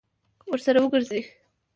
ورسره وګرځي.